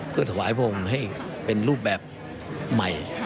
เพื่อถวายพระองค์ให้เป็นรูปแบบใหม่